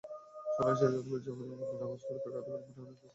শুনানি শেষে আদালত জামিনের আবেদন নাকচ করে তাঁকে কারাগারে পাঠানোর আদেশ দেন।